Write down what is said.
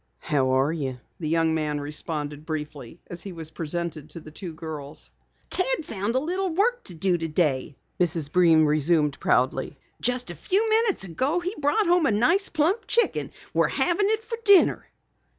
"How are you?" the young man responded briefly as he was presented to the two girls. "Ted found a little work to do today," Mrs. Breen resumed proudly. "Just a few minutes ago he brought home a nice plump chicken. We're having it for dinner!"